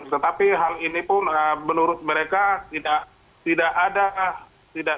tetapi hal ini pun menurut mereka tidak ada